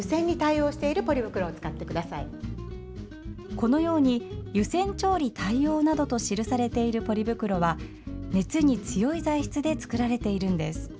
このように「湯煎調理対応」などと記されているポリ袋は熱に強い材質で作られているんです。